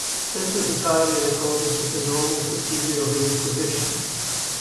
This was entirely in accordance with the normal procedure of the Inquisition.